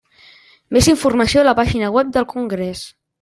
Més informació a la pàgina web del congrés.